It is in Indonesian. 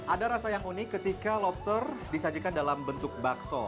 ada rasa yang unik ketika lobster disajikan dalam bentuk bakso